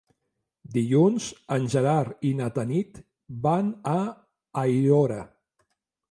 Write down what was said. Dilluns en Gerard i na Tanit van a Aiora.